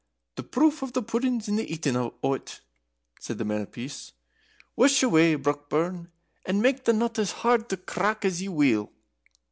"The proof of the pudding's in the eating o't," said the Man of Peace. "Wush away, Brockburn, and mak the nut as hard to crack as ye will."